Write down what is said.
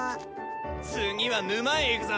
次は沼へ行くぞ！